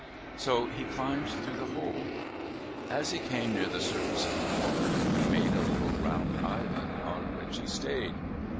So he climbed through the hole. As he came near the surface of the water, he made a little round island on which he stayed.